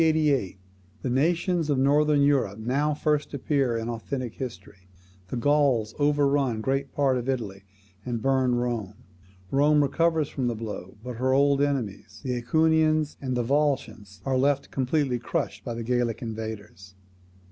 The nations of Northern Europe now first appear in authentic history. The Gauls overrun great part of Italy, and burn Rome. Rome recovers from the blow, but her old enemies, the AEquians and Volscians, are left completely crushed by the Gallic invaders.